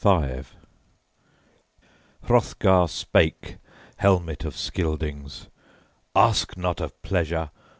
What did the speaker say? XX HROTHGAR spake, helmet of Scyldings: "Ask not of pleasure!